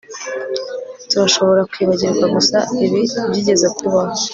turashobora kwibagirwa gusa ibi byigeze kubaho